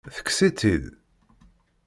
Tekkes-itt-id?